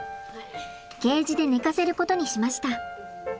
ケージで寝かせることにしました。